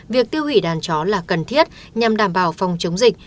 việc tiêu hủy đàn chó là cần thiết nhằm đảm bảo phòng chống dịch